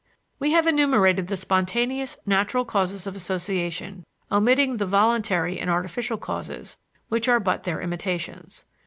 We have enumerated the spontaneous, natural causes of association, omitting the voluntary and artificial causes, which are but their imitations.